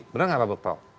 bener gak pak bekto